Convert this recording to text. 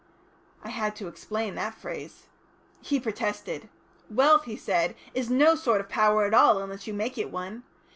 I had to explain that phrase. He protested. "Wealth," he said, "is no sort of power at all unless you make it one.